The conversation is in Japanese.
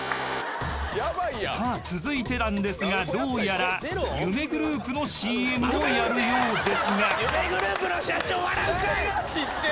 ［さあ続いてなんですがどうやら夢グループのＣＭをやるようですが］